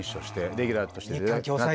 レギュラーとして。